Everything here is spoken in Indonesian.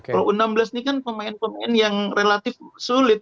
kalau u enam belas ini kan pemain pemain yang relatif sulit